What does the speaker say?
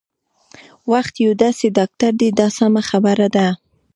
وخت یو داسې ډاکټر دی دا سمه خبره ده.